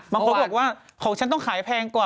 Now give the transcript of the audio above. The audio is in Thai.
บางคนบอกว่าของฉันต้องขายแพงกว่า